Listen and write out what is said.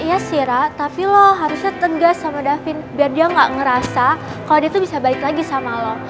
iya sira tapi lo harusnya tegas sama davin biar dia gak ngerasa kalau dia tuh bisa balik lagi sama lo